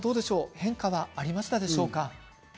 変化はありましたでしょうか？